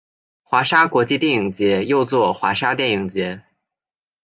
华沙国际电影节又作华沙电影节。